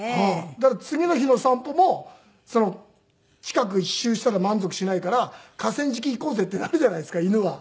だから次の日の散歩も近くを１周したら満足しないから河川敷行こうぜってなるじゃないですか犬は。